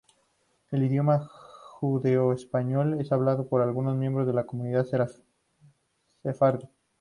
El idioma judeoespañol es hablado por algunos miembros de la comunidad sefardí.